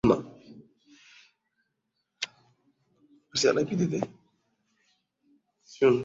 Amevalia miwani kubwa sana.